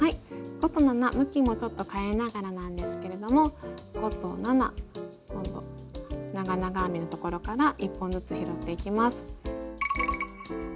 ５と７向きもちょっと変えながらなんですけれども５と７今度長々編みのところから１本ずつ拾っていきます。